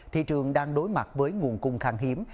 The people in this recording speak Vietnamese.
thị trường đang đối mặt với nguồn cung khang hiếm